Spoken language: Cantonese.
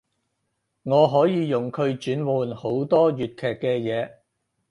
我可以用佢轉換好多粵劇嘅嘢